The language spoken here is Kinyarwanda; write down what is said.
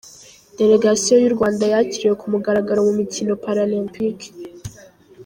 Delegasiyo y’u Rwanda yakiriwe ku mugaragaro mu mikino Paralempike